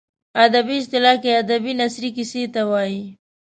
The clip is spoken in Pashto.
ادبي اصطلاح کې ادبي نثري کیسې ته وايي.